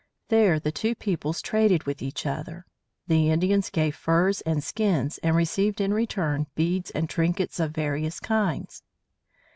There the two peoples traded with each other. The Indians gave furs and skins, and received in return beads and trinkets of various kinds.